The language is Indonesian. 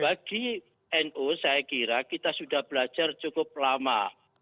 bagi nu saya kira kita sudah belajar cukup lama